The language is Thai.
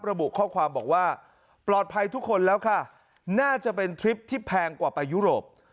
ระบุข้อความบอกว่าปลอดภัยทุกคนแล้วค่ะน่าจะเป็นทริปที่แพงกว่าไปยุโรป